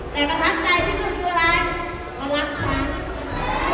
แต่ประทับใจที่คุณคืออะไร